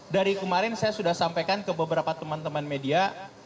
dari kemarin saya sudah sampaikan ke beberapa teman teman media